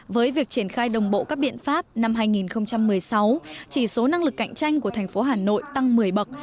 với việc triển khai đồng bộ các biện pháp năm hai nghìn một mươi sáu chỉ số năng lực cạnh tranh của thành phố hà nội tăng một mươi bậc